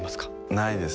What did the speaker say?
ないです